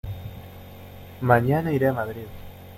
Mañana iré a Madrid.